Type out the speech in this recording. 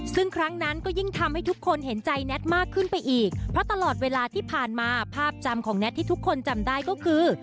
ซึ่งครั้งนั้นก็ยิ่งทำให้ทุกคนเห็นใจแน็ตมากขึ้นไปอีกเพราะตลอดเวลาที่ผ่านมาภาพจำของแท็ตที่ทุกคนจำได้ก็คือ